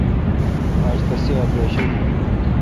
آج تسی اپریشن این ۔